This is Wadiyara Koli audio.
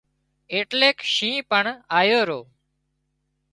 ايٽليڪ شِينهن پڻ آيو رو